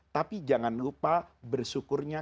tapi jangan lupa bersyukurnya